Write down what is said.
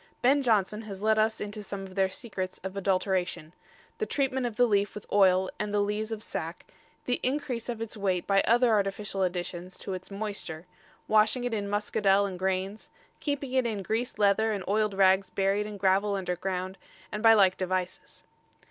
Ben Jonson has let us into some of their secrets of adulteration the treatment of the leaf with oil and the lees of sack, the increase of its weight by other artificial additions to its moisture, washing it in muscadel and grains, keeping it in greased leather and oiled rags buried in gravel under ground, and by like devices.